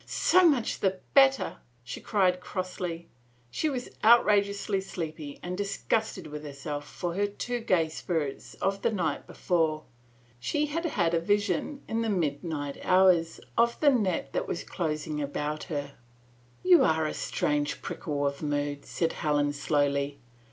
So much the better,'* she cried crossly. She was outrageously sleepy and disgusted with herself for her too gay spirits of the night before. She had had a vision, in the midnight hours, of the net that was closing round her. "You are a strange prickle of moods," said Helen slowly.